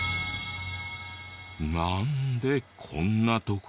なんでこんな所で。